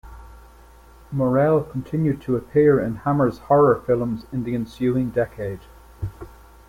Morell continued to appear in Hammer's horror films in the ensuing decade.